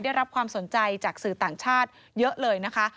ได้รับความสนใจจากสื่อต่างชาติเยอะเลยนะคะ